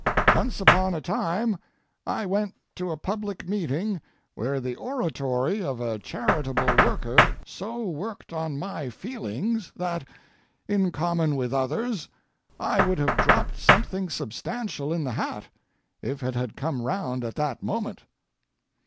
Once upon a time I went to a public meeting where the oratory of a charitable worker so worked on my feelings that, in common with others, I would have dropped something substantial in the hat—if it had come round at that moment.